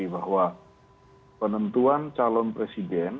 bahwa penentuan calon presiden